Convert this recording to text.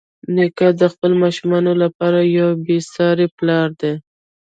نیکه د خپلو ماشومانو لپاره یو بېساري پلار دی.